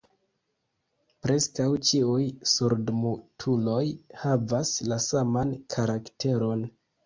Preskaŭ ĉiuj surdmutuloj havas la saman karakteron.